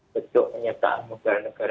bentuk menyertakan modal negara